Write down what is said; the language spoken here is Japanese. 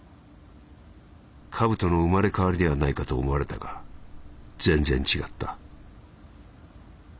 カブトの生まれ変わりではないかと思われたが全然違った」。